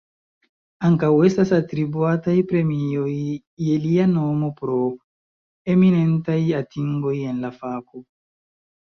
Ankaŭ estas atribuataj premioj je lia nomo pro eminentaj atingoj en la fako.